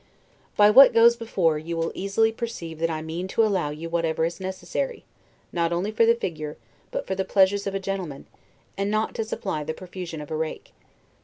By what goes before, you will easily perceive that I mean to allow you whatever is necessary, not only for the figure, but for the pleasures of a gentleman, and not to supply the profusion of a rake.